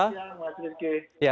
selamat siang mas rizky